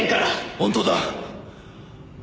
本当だ！